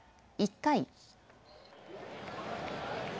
１回。